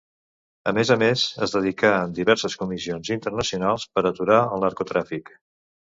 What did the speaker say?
A més a més, es dedicà en diverses comissions internacionals per aturar el narcotràfic.